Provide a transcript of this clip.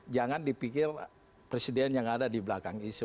jangan dipikir presiden yang ada di belakang isu